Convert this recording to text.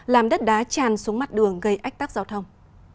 làm đất đá tràn xuống mắt đường gây ách tắc giao thông